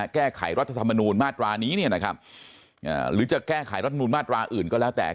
แก้ไขรัฐธรรมนูญมาตรานี้เนี่ยนะครับหรือจะแก้ไขรัฐมนูลมาตราอื่นก็แล้วแต่